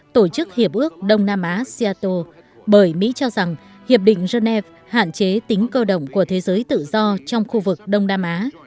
tổ chức hiệp ước đông nam á seattle bởi mỹ cho rằng hiệp định genève hạn chế tính cơ động của thế giới tự do trong khu vực đông nam á